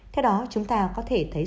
theo đó chúng ta có thể thấy